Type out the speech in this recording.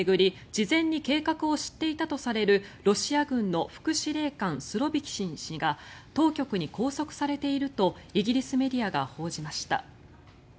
事前に計画を知っていたとされるロシア軍の副司令官スロビキン氏が当局に拘束されているとイギリスメディアが報じました。